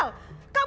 aku benci kamu